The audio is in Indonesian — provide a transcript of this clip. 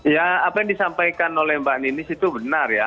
ya apa yang disampaikan oleh mbak ninis itu benar ya